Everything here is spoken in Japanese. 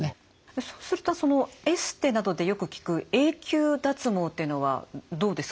そうするとエステなどでよく聞く永久脱毛というのはどうですか？